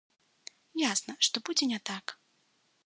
Ясна, што будзе не так.